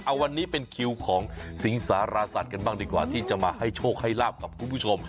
เอาวันนี้เป็นคิวของสิงสารสัตว์กันบ้างดีกว่าที่จะมาให้โชคให้ลาบกับคุณผู้ชม